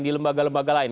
di lembaga lembaga lain